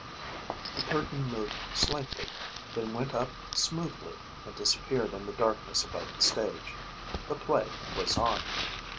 The curtain moved slightly; then went up smoothly and disappeared in the darkness above the stage. The play was on.